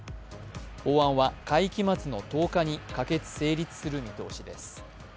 法案は会期末の１０日に可決・成立する見通しです。